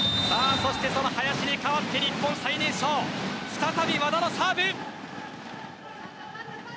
その林に代わって日本最年少再び和田のサーブ。